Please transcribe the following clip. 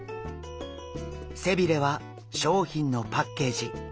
背鰭は商品のパッケージ。